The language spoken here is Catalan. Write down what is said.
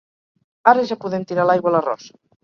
Ara ja podem tirar l'aigua a l'arròs!